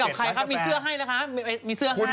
ไปกับใครครับมีเสื้อให้นะคะ